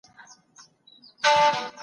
انسان بايد په مځکه کي عدالت وکړي.